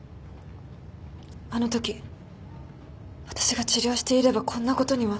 あのとき私が治療していればこんなことには。